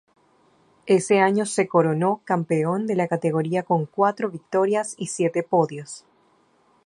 Ese año se coronó campeón de la categoría con cuatro victorias y siete podios.